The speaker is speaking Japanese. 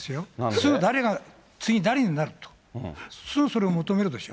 すぐ誰が、次誰になると、すぐそれを求めるでしょ。